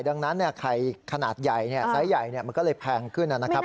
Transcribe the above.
ดังนั้นไข่ขนาดใหญ่ไซส์ใหญ่มันก็เลยแพงขึ้นนะครับ